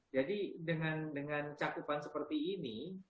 jadi dengan cakupan seperti ini